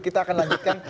kita akan lanjutkan